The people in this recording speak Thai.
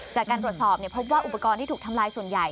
จากการตรวจสอบพบว่าอุปกรณ์ที่ถูกทำลายส่วนใหญ่